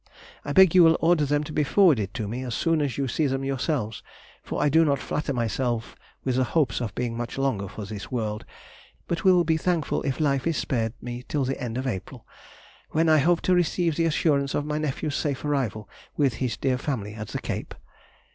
I beg you will order them to be forwarded to me as soon as you see them yourselves, for I do not flatter myself with the hopes of being much longer for this world, but will be thankful if life is spared me till the end of April, when I hope to receive the assurance of my nephew's safe arrival with his dear family at the Cape.